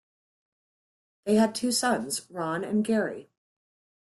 They had two sons, Ron and Gary.